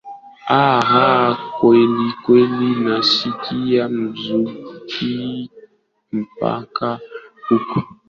aa raha kwelikweli nasikia muziki mpaka huku